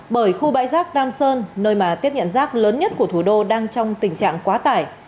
bởi khu bãi rác nam sơn nơi mà tiếp nhận rác lớn nhất của thủ đô đang trong tình trạng quá tải